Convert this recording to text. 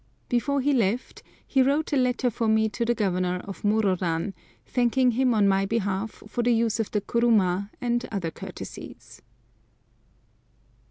Before he left he wrote a letter for me to the Governor of Mororan, thanking him on my behalf for the use of the kuruma and other courtesies.